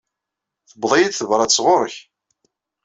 Tewweḍ-iyi-d tebrat sɣuṛ-k.